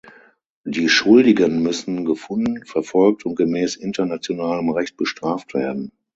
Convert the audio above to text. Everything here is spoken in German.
Die Schuldigen müssen gefunden, verfolgt und gemäß internationalem Recht bestraft werden.